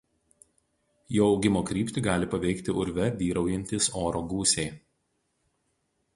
Jo augimo kryptį gali paveikti urve vyraujantys oro gūsiai.